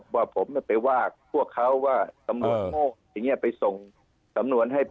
ว่าผมไปว่าพวกเขาว่าตำรวจอย่างนี้ไปส่งสำนวนให้